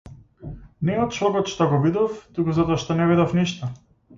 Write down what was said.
Не од шокот што го видов, туку затоа што не видов ништо.